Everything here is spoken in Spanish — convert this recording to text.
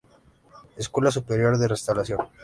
Escuela Superior de Restauración.